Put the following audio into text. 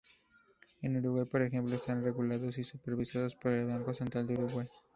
En Uruguay, por ejemplo, están regulados y supervisados por el Banco Central del Uruguay.